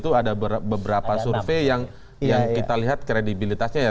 itu ada beberapa survei yang kita lihat kredibilitasnya ya